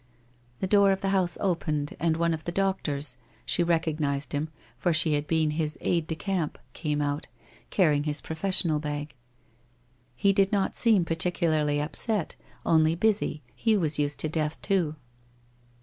The door of the house opened and one of the doctors — she recognized him, for she had been his aide de camp —■ came out, carrying his professional bag. He did not seem particularly upset, only busy, he was used to death too.